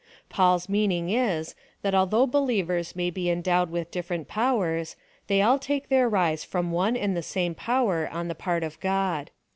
Paul's mean ing is, that although believers may be endowed with differ ent powers, they all take their rise from one and the same power on the part of God.